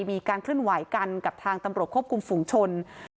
มีการเคลื่อนไหวกันกับทางตำรวจควบคุมฝุงชน